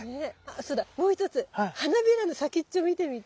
そうだもう一つ花びらの先っちょ見てみて。